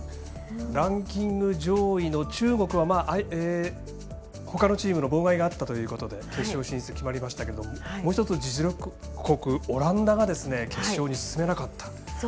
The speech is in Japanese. ランキング上位の中国は、ほかのチームの妨害があったということで決勝進出が決まりましたけどもう１つ、実力国、オランダが決勝に進めなかった。